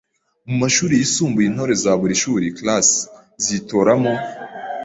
Mu mashuri yisumbuye, Intore za buri shuri (classe) zitoramo